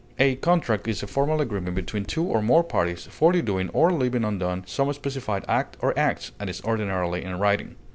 A contract is a formal agreement between two or more parties for the doing or leaving undone some specified act or acts, and is ordinarily in writing.